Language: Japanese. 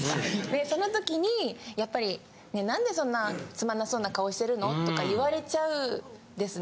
でその時にやっぱり何でそんなつまんなそうな顔してるの？とか言われちゃうんですね。